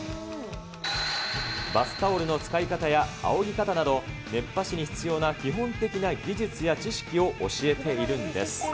バスタオルの使い方や、あおぎ方など、熱波師に必要な基本的な技術や知識を教えているんです。